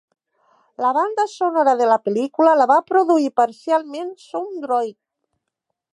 La banda sonora de la pel·lícula la va produir parcialment SoundDroid.